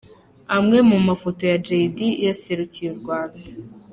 Amwe mu mafoto ya Jay D waserukiye u Rwanda.